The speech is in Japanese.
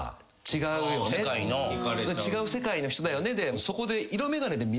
違う世界の人だよねでそこで。